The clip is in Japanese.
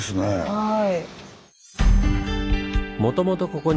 はい。